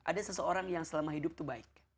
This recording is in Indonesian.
ada seseorang yang selama hidup itu baik